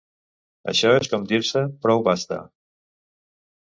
Això és com dir-se Proubasta!